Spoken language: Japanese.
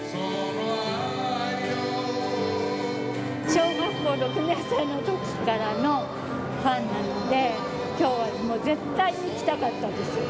小学校６年生のときからのファンなので、きょうはもう絶対に来たかったんですよ。